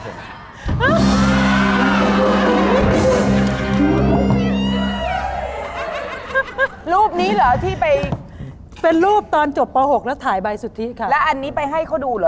รูปนี้เหรอที่ไปเป็นรูปตอนจบป๖แล้วถ่ายใบสุทธิค่ะแล้วอันนี้ไปให้เขาดูเหรอ